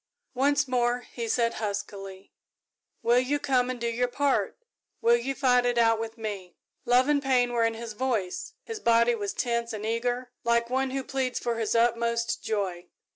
"Once more," he said huskily, "will you come and do your part? Will you fight it out with me?" Love and pain were in his voice his body was tense and eager, like one who pleads for his utmost joy.